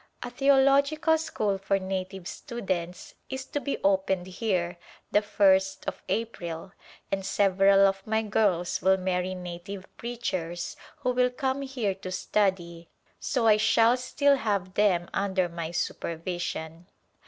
A theological school for native students is to be opened here the ist of April and several of my girls will marry native preachers who will come here to study, so I shall still have them under my supervision.